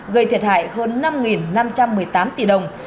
gây thiệt hại hơn năm năm trăm một mươi tám tỷ đồng